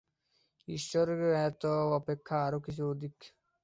ঈশ্বর জ্ঞাত অপেক্ষা আরও কিছু অধিক।